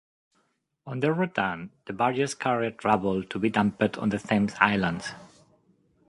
On their return, the barges carried rubble to be dumped on the Thames islands.